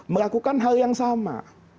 melakukan hal yang sama